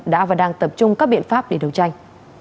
đã và đang tập trung các biện pháp để đấu tranh